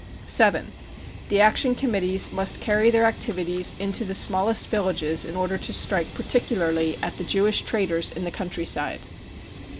(7) The Action Committees must carry their activities into the smallest villages in order to strike particularly at the Jewish traders in the countryside.